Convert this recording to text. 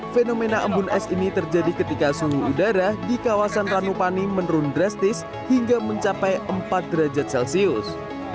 fenomena embun es ini terjadi ketika suhu udara di kawasan ranupani menurun drastis hingga mencapai empat derajat celcius